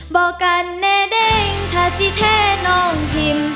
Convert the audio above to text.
บอกกันแน่เด้งถ้าสิแท้น้องทิม